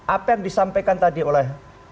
apa yang disampaikan tadi oleh